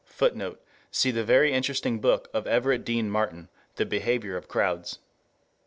[Footnote: Cf. the very interesting book of Everett Dean Martin, The Behavior of Crowds.